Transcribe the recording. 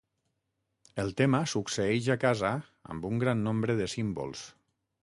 El tema succeeix a casa amb un gran nombre de símbols.